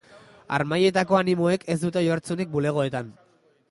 Harmailetako animoek ez dute oihartzunik bulegoetan.